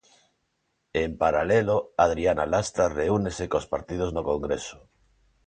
E en paralelo, Adriana Lastra reúnese cos partidos no Congreso.